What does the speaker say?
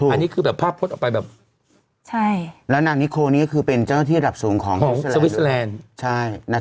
อันนี้คือภาพปรงนานนิโครนี้เป็นเจ้าที่ระดับสูงของสวิทยสแลนด์